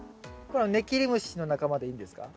これはネキリムシの仲間でいいんですか？